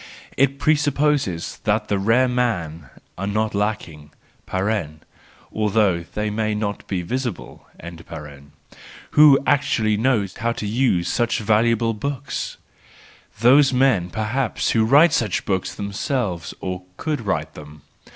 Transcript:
It presupposes that the rare men are not lacking (though they may not be visible), who actually know how to use such valuable books :—those men perhaps who write such books themselves, or could write them.